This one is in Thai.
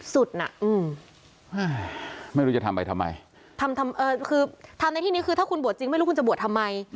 น่ะอืมไม่รู้จะทำไปทำไมทำทำคือทำในที่นี้คือถ้าคุณบวชจริงไม่รู้คุณจะบวชทำไม